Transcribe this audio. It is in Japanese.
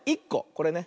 これね。